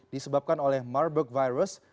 disebabkan oleh marburg virus